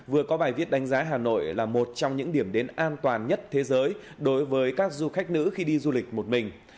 vừa có bài viết đánh giá hà nội là một trong những điểm đến an toàn nhất thế giới đối với các du khách nữ khi đi du lịch một mình